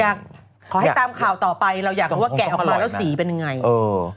อยากให้ตามข่าวต่อไปเราอยากรู้ว่าแกะออกมาแล้วสีเป็นยังไงเออ